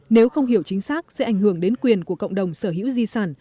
nếu không hiểu chính xác sẽ ảnh hưởng đến quyền của cộng đồng sở hữu di sản